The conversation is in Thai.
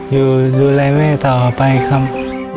อยู่ดูแลแม่ต่อไปครับ